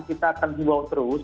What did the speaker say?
kita akan jempol terus